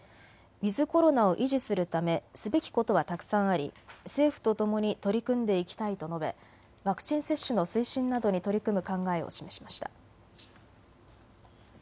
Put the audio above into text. ウィズコロナを維持するためすべきことはたくさんあり政府とともに取り組んでいきたいと述べワクチン接種の推進などに取り組む考えを示しました。